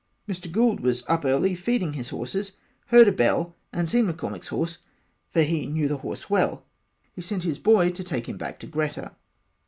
Mr. Gould was up early feeding his horses heard a bell and seen McCormack horses for he knew the horse well he sent his boy to take him back to Greta.